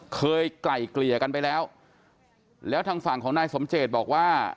ไกล่เกลี่ยกันไปแล้วแล้วทางฝั่งของนายสมเจตบอกว่า